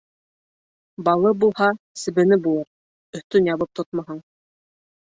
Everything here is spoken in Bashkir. Балы булһа, себене булыр, өҫтөн ябып тотмаһаң;